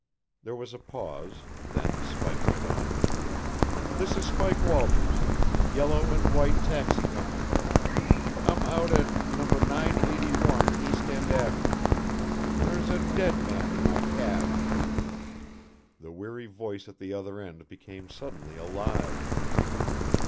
There was a pause, then Spike went on: "This is Spike Walters Yellow and White Taxi Company. I'm out at No. 981 East End Avenue. There's a dead man in my cab!" The weary voice at the other end became suddenly alive.